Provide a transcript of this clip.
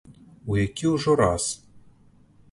У які ўжо раз.